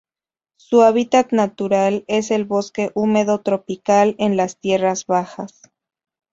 Su hábitat natural es el bosque húmedo tropical de las tierras bajas.